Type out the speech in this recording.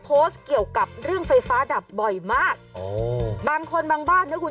โพสต์เกี่ยวกับเรื่องไฟฟ้าดับบ่อยมากโอ้บางคนบางบ้านนะคุณ